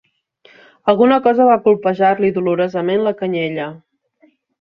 Alguna cosa va colpejar-li dolorosament la canyella.